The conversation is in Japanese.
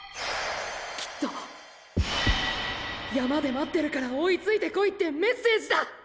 きっと「山で待ってるから追いついてこい」ってメッセージだ！